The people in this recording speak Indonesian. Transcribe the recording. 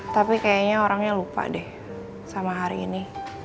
tapi kayaknya orangnya lupa deh sama hari ini